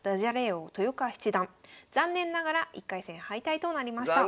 王・豊川七段残念ながら１回戦敗退となりました。